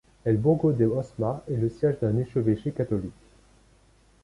El Burgo de Osma est le siège d'un évêché catholique.